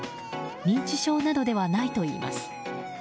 認知症などではないといいます。